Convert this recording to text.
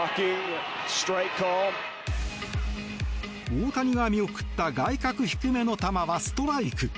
大谷が見送った外角低めの球はストライク。